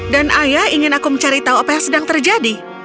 dan ayah ingin aku mencari tahu apa yang sedang terjadi